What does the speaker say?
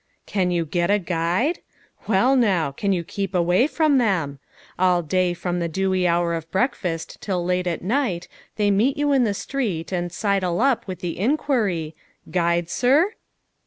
Can you get a guide? Well, now! Can you keep away from them? All day from the dewy hour of breakfast till late at night they meet you in the street and sidle up with the enquiry, "Guide, sir?"